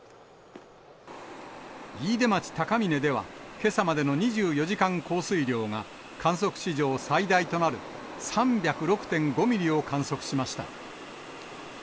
飯豊町高峰では、けさまでの２４時間降水量が、観測史上最大となる３０６．５ミリを観測しました。